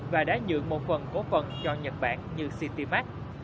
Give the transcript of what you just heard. và đã nhượng một phần cố phần cho nhật bản như citymark